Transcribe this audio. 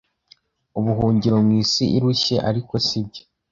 Ubuhungiro mu isi irushye, ariko sibyo